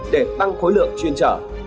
để tăng khối lượng chuyên trở